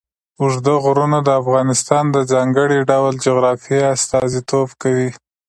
اوږده غرونه د افغانستان د ځانګړي ډول جغرافیه استازیتوب کوي.